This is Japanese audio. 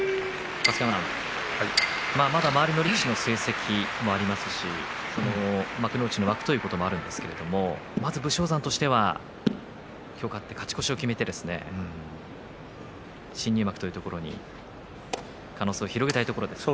春日山さん周りの力士の成績もありますし幕内の枠ということもありますが武将山としては今日、勝って勝ち越しを決めて新入幕というところに可能性を広げたいところですね。